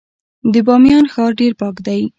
د بامیان ښار ډیر پاک دی